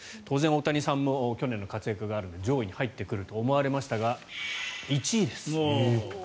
当然、大谷さんも去年の活躍があるので上位に入ってくると思われましたが１位です。